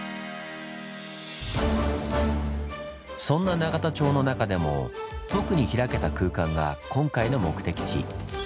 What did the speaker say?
そんな永田町の中でも特に開けた空間が今回の目的地。